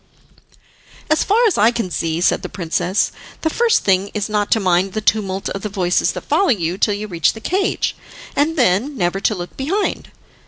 "As far as I can see," said the princess, "the first thing is not to mind the tumult of the voices that follow you till you reach the cage, and then never to look behind.